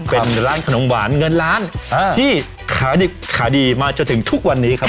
เป็นร้านขนมหวานเงินล้านที่ขายดิบขายดีมาจนถึงทุกวันนี้ครับ